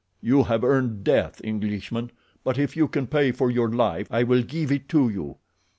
You have earned death, Englishman, but if you can pay for your life I will give it to you."